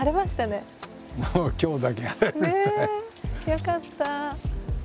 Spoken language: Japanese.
よかった。